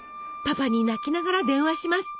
パパに泣きながら電話します。